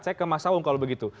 saya ke mas sawung kalau begitu